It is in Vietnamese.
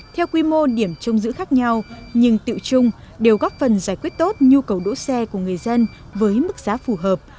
theo quy mô điểm trông giữ khác nhau nhưng tựu chung đều góp phần giải quyết tốt nhu cầu đỗ xe của người dân với mức giá phù hợp